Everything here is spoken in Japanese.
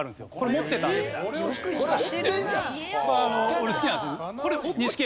俺好きなんです。